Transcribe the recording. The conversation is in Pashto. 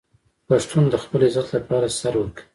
پښتون د خپل عزت لپاره سر ورکوي.